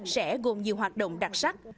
sẽ gồm nhiều hoạt động đặc sắc